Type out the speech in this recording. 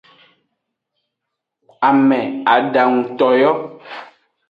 Ame adanguto yo.